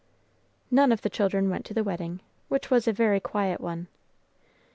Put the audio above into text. None of the children went to the wedding, which was a very quiet one.